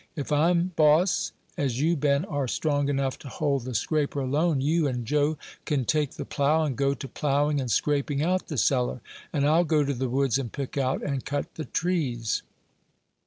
If I'm boss, as you, Ben, are strong enough to hold the scraper alone, you and Joe can take the plough, and go to ploughing and scraping out the cellar, and I'll go to the woods and pick out and cut the trees."